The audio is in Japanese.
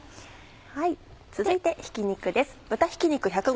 続いてひき肉です。